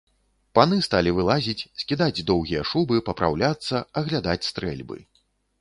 Паны сталі вылазіць, скідаць доўгія шубы, папраўляцца, аглядаць стрэльбы.